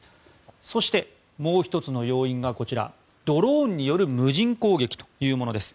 そして、もう１つの要因がこちらドローンによる無人攻撃というものです。